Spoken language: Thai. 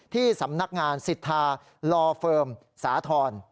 ที่สำนักงานสิทธาลอเฟิร์มสาธรณ์